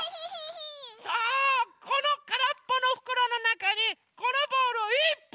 さあこのからっぽのふくろのなかにこのボールをいっぱいつめちゃいます。